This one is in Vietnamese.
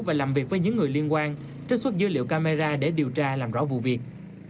và làm việc với những người liên quan trích xuất dữ liệu camera để điều tra làm rõ vụ việc